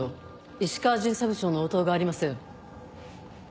石川巡査部長の応答がありません。